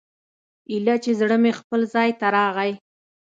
ايله چې زړه مې خپل ځاى ته راغى.